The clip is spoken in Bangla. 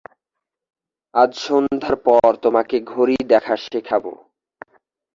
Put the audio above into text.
আজ সন্ধার পর তোমাকে ঘড়ি দেখা শেখাব।